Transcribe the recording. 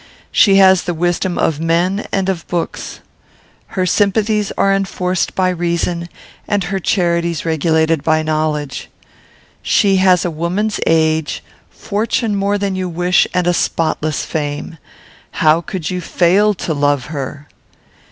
She has the wisdom of men and of books. Her sympathies are enforced by reason, and her charities regulated by knowledge. She has a woman's age, fortune more than you wish, and a spotless fame. How could you fail to love her?